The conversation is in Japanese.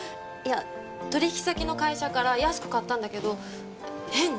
いや取引先の会社から安く買ったんだけど変？